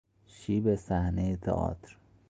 شیب صحنهی تئاتر